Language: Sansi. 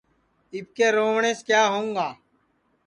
اِٻکے رووَٹؔینٚس کِیا ہوؤں گا